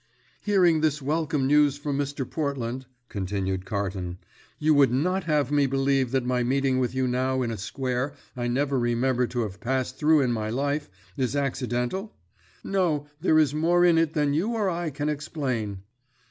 "Hearing this welcome news from Mr. Portland," continued Carton, "you would not have me believe that my meeting with you now in a square I never remember to have passed through in my life is accidental? No, there is more in it than you or I can explain."